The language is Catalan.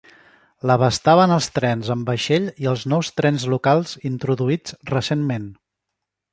L'abastaven els trens amb vaixell i els nous trens locals introduïts recentment.